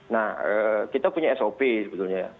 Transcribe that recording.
nah kita punya sop sebetulnya ya